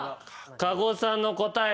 加護さんの答え